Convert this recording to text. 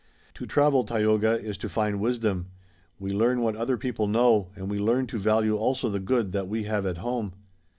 "To travel, Tayoga, is to find wisdom. We learn what other people know, and we learn to value also the good that we have at home."